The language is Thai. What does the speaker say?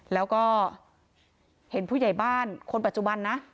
แล้วก็เห็นผู้ใหญ่บ้านคนปัจจุบันนะ